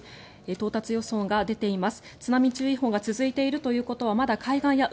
到達予想が出ています。